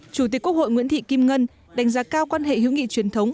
chủ tịch quốc hội nguyễn thị kim ngân đánh giá cao quan hệ hữu nghị truyền thống